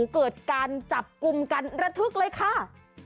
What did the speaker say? เกิดการจับกลุ่มกันระทึกเลยค่ะ